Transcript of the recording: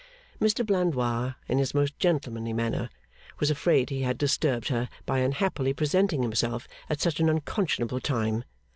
Mr Blandois, in his most gentlemanly manner, was afraid he had disturbed her by unhappily presenting himself at such an unconscionable time.